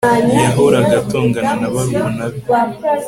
Yahoraga atongana na barumuna be